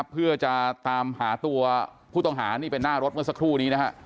เพื่อจะตามหาตัวผู้ต้องหานี่เป็นหน้ารถเมื่อสักครู่นี้นะฮะ